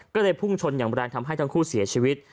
ก็เลยพุ่งชนอย่างแรงทำให้ทั้งคู่เสียชีวิต